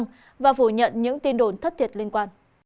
và phủ nhận những tin đồn thất thiệt liên quan